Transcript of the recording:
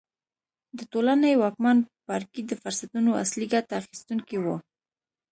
د ټولنې واکمن پاړکي د فرصتونو اصلي ګټه اخیستونکي وو.